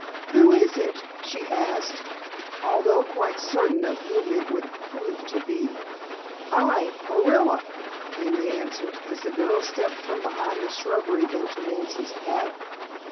"Who is it?" she asked, although quite certain of whom it would prove to be. "I, Orilla," came the answer, as the girl stepped from behind the shrubbery into Nancy's path.